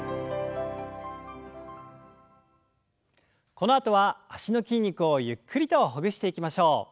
このあとは脚の筋肉をゆっくりとほぐしていきましょう。